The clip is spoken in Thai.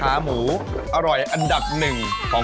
อันดับ๑ของ